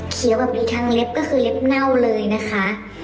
เขียวแบบนี้ทั้งเล็บก็คือเล็บเน่าเลยนะคะ